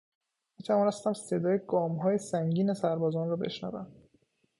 میتوانستم صدای گامهای سنگین سربازان را بشنوم.